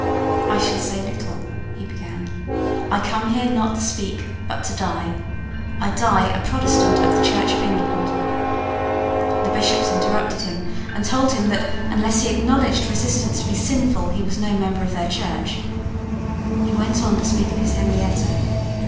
"I shall say little," he began. "I come here, not to speak, but to die. I die a Protestant of the Church of England." The Bishops interrupted him, and told him that, unless he acknowledged resistance to be sinful, he was no member of their church He went on to speak of his Henrietta.